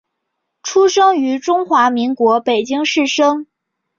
出生于中华民国北京市生。